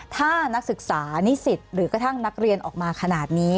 ถ้านักศึกษานิสิตหรือกระทั่งนักเรียนออกมาขนาดนี้